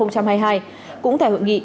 cũng tại hội nghị